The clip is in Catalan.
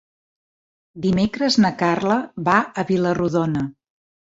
Dimecres na Carla va a Vila-rodona.